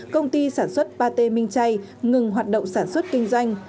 công ty sản xuất ba t minh chay ngừng hoạt động sản xuất kinh doanh